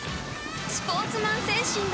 スポーツマン精神だ！